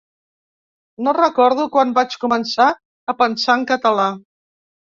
No recordo quan vaig començar a pensar en català.